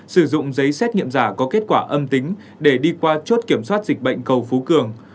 sử dụng giấy xét nghiệm giả có kết quả âm tính để đi qua chốt kiểm soát dịch bệnh cầu phú cường